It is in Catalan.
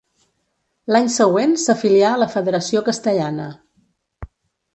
L'any següent s'afilià a la federació castellana.